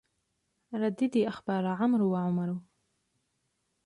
رددي أخبار عمرو وعمر